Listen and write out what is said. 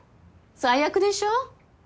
最悪でしょう？